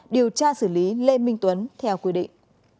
điều tra xử lý lê minh tuấn theo quy định